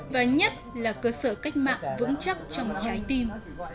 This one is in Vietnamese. và nhất là cơ sở cách mạng vững chắc trong trái tim